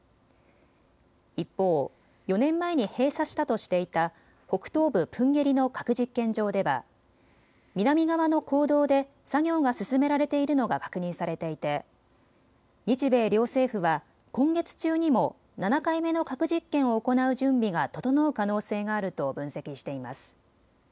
一方、４年前に閉鎖したとしていた北東部プンゲリの核実験場では南側の坑道で作業が進められているのが確認されていて日米両政府は今月中にも７回目の核実験を行う準備が整う可能性があると分析しています。